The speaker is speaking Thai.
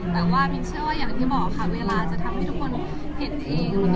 แต่ว่ามีเชื่อเวลาทำทุกคนเห็นเอง